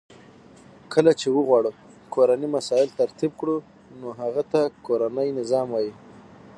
کله چی وغواړو کورنی مسایل ترتیب کړو نو هغه ته کورنی نظام وای .